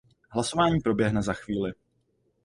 Hlasování proběhne za chvíli.